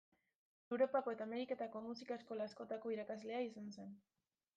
Europako eta Ameriketako musika-eskola askotako irakaslea izan zen.